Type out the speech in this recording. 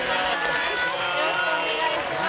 よろしくお願いします。